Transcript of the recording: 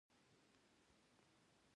د متن جمع "مُتون" او "مِتان" ده.